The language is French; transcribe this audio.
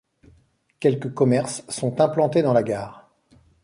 Quelques commerces sont implantés dans la gare.